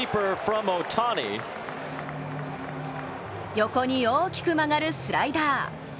横に大きく曲がるスライダー。